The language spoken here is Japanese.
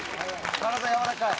体やわらかい！